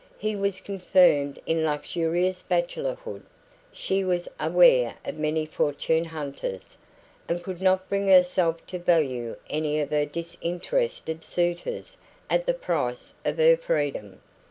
He was confirmed in luxurious bachelorhood; she was aware of many fortune hunters, and could not bring herself to value any of her disinterested suitors at the price of her freedom.